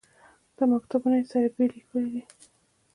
دا مکتبونه یې سره بېلې کړې دي.